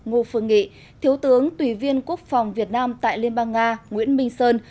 ngô phương nghị thiếu tướng tùy viên quốc phòng việt nam tại liên bang nga nguyễn minh sơn